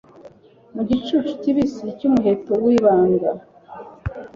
mu gicucu kibisi cyumuheto wibanga